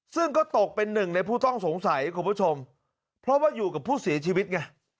ซึ่งก็ตกเป็นหนึ่งในผู้ต้องสงสัยคุณผู้ชมเพราะว่าอยู่กับผู้เสียชีวิตไง